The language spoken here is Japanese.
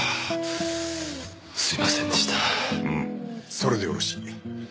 それでよろしい。